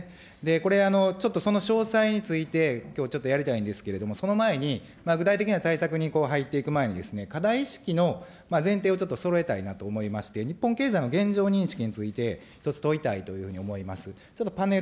これ、ちょっとその詳細について、きょうちょっとやりたいんですけれども、その前に、具体的な対策に入っていく前に、課題の前提をちょっとそろえたいなと思いまして、日本経済の現状認識について一つ問いたいというふうに思います。